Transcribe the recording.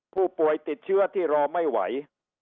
ผู้ป่วยติดเชื้อที่รอไม่ไหว